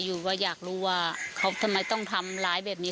เผื่อกลับรู้ว่าเขาทำไมต้องทำร้ายแบบนี้